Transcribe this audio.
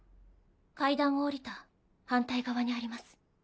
階段を下りた反対側にあります。